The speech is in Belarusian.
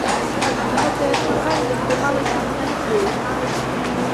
Гэтае чаканне трымалася на надзеі.